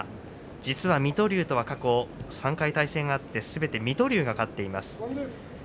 実は水戸龍とは過去３回対戦があってすべて水戸龍が勝っています。